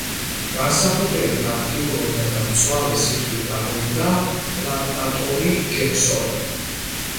განსაკუთრებით აქტიურობდა და მწვავე სიტყვით გამოვიდა პლანტატორი ჯეკსონი.